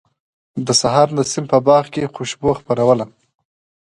د سحر نسیم په باغ کې خوشبو خپروله.